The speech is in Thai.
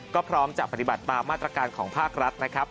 ก็พร้อมจะปฏิบัติตามมาตรการของภาครัฐนะครับ